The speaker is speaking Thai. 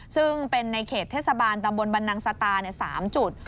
ซึ่งเป็นในเขตเทศบาลตำบลบันนังสตา๓จุด